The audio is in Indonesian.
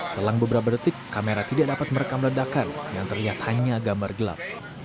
selang beberapa detik kamera tidak dapat merekam ledakan yang terlihat hanya gambar gelap